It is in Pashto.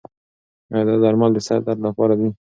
ایا دا درمل د سر درد لپاره دي؟